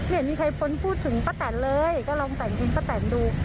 เห็นมีใครพ้นพูดถึงปะแต่นเลยก็ลองแต่งเพลงปะแต่นดู